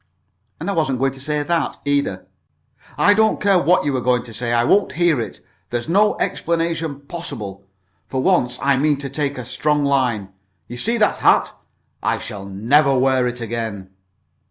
"And I wasn't going to say that, either." "I don't care what you were going to say. I won't hear it. There's no explanation possible. For once I mean to take a strong line. You see that hat? I shall never wear it again!"